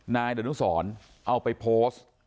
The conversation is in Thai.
นายดนุสรเอาไปโพสต์